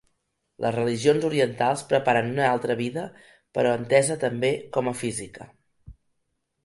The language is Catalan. Les religions orientals preparen una altra vida, però entesa també com a física.